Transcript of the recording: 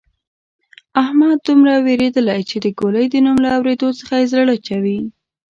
احمد دومره وېرېدلۍ چې د ګولۍ د نوم له اورېدو څخه یې زړه چوي.